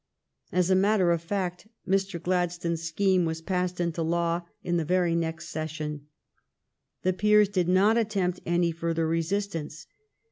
As a matter of fact, Mr. Gladstone's scheme was passed into law in the very next session. The peers did not attempt any further resistance.